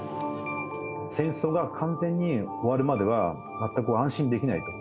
戦争が完全に終わるまでは、全く安心できないと。